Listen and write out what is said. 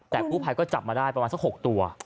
แต่กู้ภัยก็จับมาได้ประมาณสัก๖ตัว